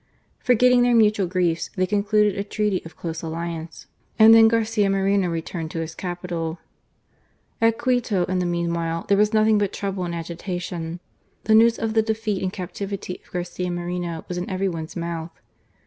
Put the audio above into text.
Forgetting their mutual griefs, ^H they concluded a treaty of close alliance ; and then ^H Garcia Moreno returned to his capital. ^H At Quito, in the meanwhile, there was nothing ^H but trouble and agitation. The news of the defeat ^H and captivity of Garcia Moreno was in every one's ^H mouth.